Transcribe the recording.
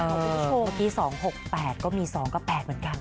เมื่อกี้๒๖๘ก็มี๒๘๘เหมือนกัน